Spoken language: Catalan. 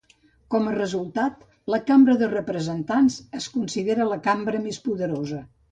Com a resultat, la Cambra de representants es considera la cambra més poderosa.